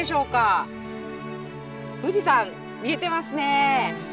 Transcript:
富士山見えてますね。